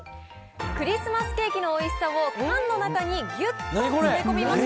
クリスマスケーキのおいしさを缶の中にぎゅっと詰め込みました